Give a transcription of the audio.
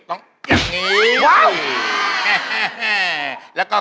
โอ้โฮ